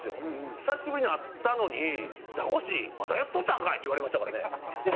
久しぶりに会ったのに「ザコシまだやっとんたんかい」って言われましたからね。